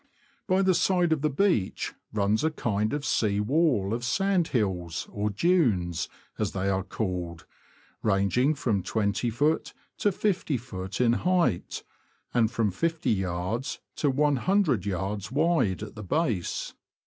By the side of the beach runs a kind of sea wall of sand hills, or dunes, as they are called, ranging from 20ft. to 50ft. in height, and from 50yds. to 1 00yds. wide at the base.